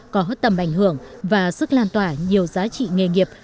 có tầm ảnh hưởng và sức lan tỏa nhiều giá trị nghề nghiệp